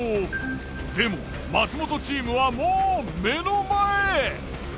でも松本チームはもう目の前。